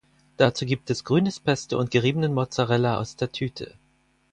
Dazu gibt es grünes Pesto und geriebenen Mozzarella aus der Tüte.